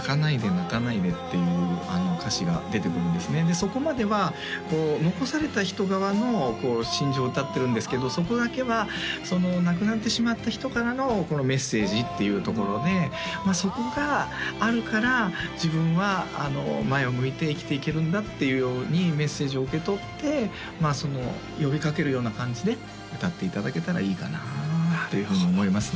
そこまでは残された人側の心情を歌ってるんですけどそこだけは亡くなってしまった人からのメッセージっていうところでそこがあるから自分は前を向いて生きていけるんだっていうようにメッセージを受け取って呼びかけるような感じで歌っていただけたらいいかなというふうに思いますね